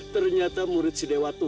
ternyata murid si dewa tua